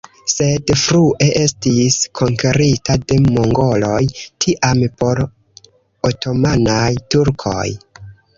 Sed frue estis konkerita de mongoloj, tiam por otomanaj turkoj.